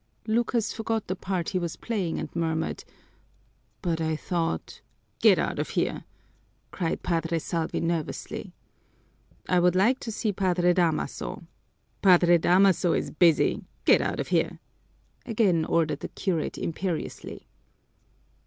Lucas forgot the part he was playing and murmured, "But I thought " "Get out of here!" cried Padre Salvi nervously. "I would like to see Padre Damaso." "Padre Damaso is busy. Get out of here!" again ordered the curate imperiously.